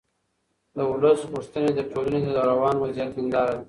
د ولس غوښتنې د ټولنې د روان وضعیت هنداره ده